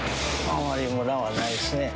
あまりむらはないですね。